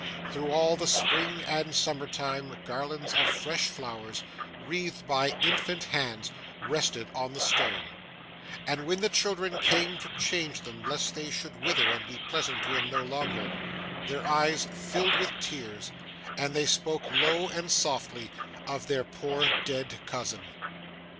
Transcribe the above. Through all the spring and summertime, garlands of fresh flowers, wreathed by infant hands, rested on the stone; and, when the children came to change them lest they should wither and be pleasant to him no longer, their eyes filled with tears, and they spoke low and softly of their poor dead cousin.